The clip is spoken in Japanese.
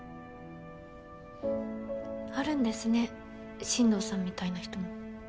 あるんですね進藤さんみたいな人も。